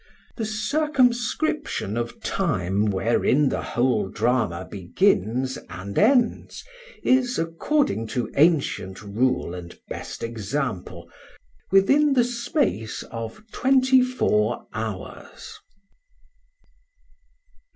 The circumscription of time wherein the whole Drama begins and ends, is according to antient rule, and best example, within the space of 24 hours.